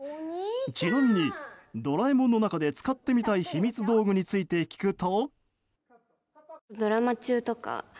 ちなみに、「ドラえもん」の中で使ってみたいひみつ道具について聞くと。